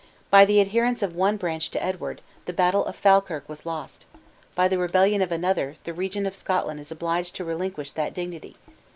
By the adherence of one branch to Edward, the battle of Falkirk was lost; by the rebellion of another, the regent of Scotland is obliged to relinquish that dignity?